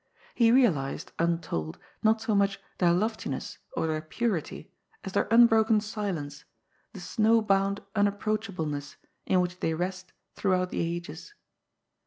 He realized, untold, not so much their loftiness or their purity, ad their unbroken silence, the snow bound unapproachableness in which they rest throughout the ages.